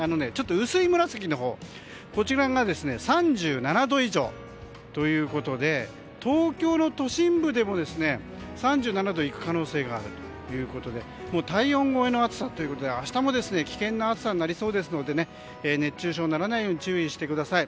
薄い紫のほうが３７度以上ということで東京の都心部でも３７度いく可能性があるということで体温超えの暑さということで明日も危険な暑さになりそうですので熱中症にならないように注意してください。